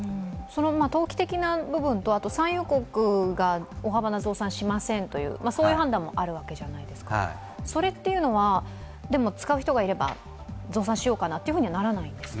投機的な部分と産油国が大幅な増産をしませんというそういう判断もあるわけじゃないですか、でも使う人がいれば増産しようかなというふうにはならないんですね。